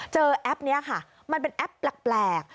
แอปนี้ค่ะมันเป็นแอปแปลก